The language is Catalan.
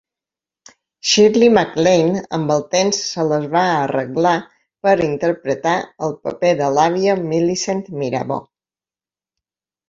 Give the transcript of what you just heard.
Shirley MacLaine amb el temps se les va arreglar per interpretar el paper de l'àvia Millicent Mirabeau.